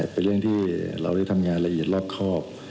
เป็นเรื่องที่เราได้ทำงานละเอียดรอบครอบ